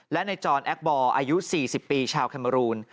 และในจอนแอคบอร์อายุ๔๐ปีชาวแคเมอรูน